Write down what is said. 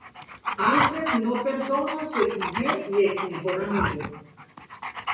Alfred no perdona a su ex-mujer y ex-mejor amigo.